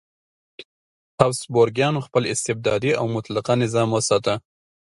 هابسبورګیانو خپل استبدادي او مطلقه نظام وساته.